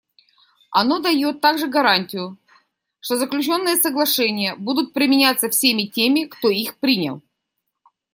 Оно дает также гарантию, что заключенные соглашения будут применяться всеми теми, кто их принял.